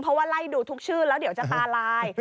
เพราะว่าไล่ดูทุกชื่อแล้วเดี๋ยวจะตาลาย